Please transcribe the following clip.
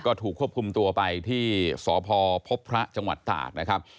ก็ถูกควบคุมตัวไปที่สพพบพระจังหวัดตากนะครับ